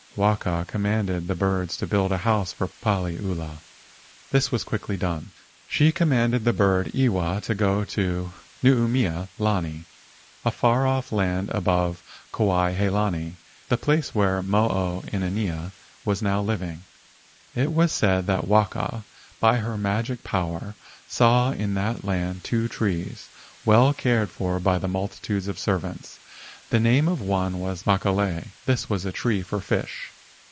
Waka commanded the birds to build a house for Paliula. This was quickly done. She com¬ manded the bird Iwa to go to Nuumea lani, a far off land above Kuai he lani, the place where Mo o inanea was now living. It was said that Waka, by her magic power, saw in that land two trees, well cared for by multitudes of servants; the name of one was "Makalei." This was a tree for fish.